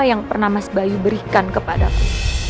yang pernah mas bayu berikan kepadaku